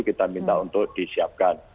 kita minta untuk disiapkan